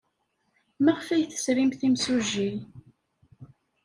Maɣef ay tesrimt imsujji?